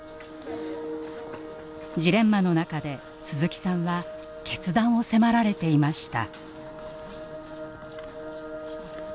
ジレンマの中で鈴木さんは決断を迫られていました。